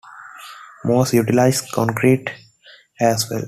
Most utilized concrete as well.